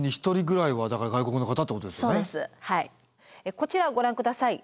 こちらご覧ください。